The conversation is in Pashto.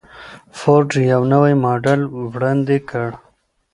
فورډ یو نوی ماډل وړاندې کړ.